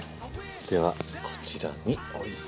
ではこちらにおいて。